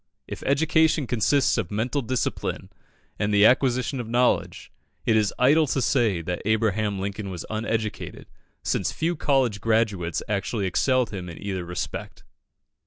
If education consists of mental discipline and the acquisition of knowledge, it is idle to say that Abraham Lincoln was uneducated, since few college graduates actually excelled him in either respect.